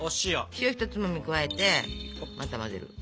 塩をひとつまみ加えてまた混ぜる。